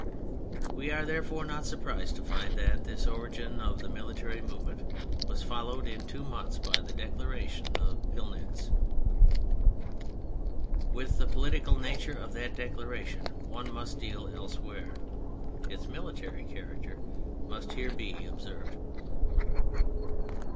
We are, therefore, not surprised to find that this origin of the military movement was fol lowed in two months by the Declaration of Pillnitz. With the political nature of that Declara tion one must deal elsewhere. Its military character must here be observed.